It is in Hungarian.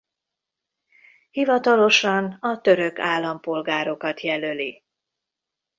Hivatalosan a török állampolgárokat jelöli.